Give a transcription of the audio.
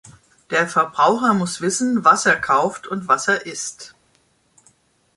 Der Verbraucher muss wissen, was er kauft und was er isst.